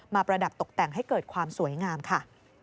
ประดับตกแต่งให้เกิดความสวยงามค่ะ